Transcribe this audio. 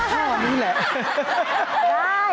ข้อนี้แหละ